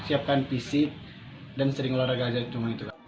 itu siapkan pc dan sering olahraga aja itu